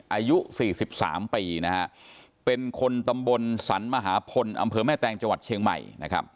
อายุ๔๓ปีนะฮะเป็นคนตำบลสรรมหาพลอำเภอแม่แตงจังหวัดเชียงใหม่นะครับ